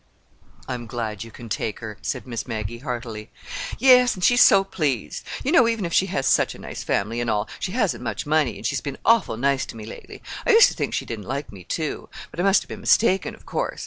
"I'm glad you can take her," said Miss Maggie heartily. "Yes, and she's so pleased. You know, even if she has such a nice family, and all, she hasn't much money, and she's been awful nice to me lately. I used to think she didn't like me, too. But I must have been mistaken, of course.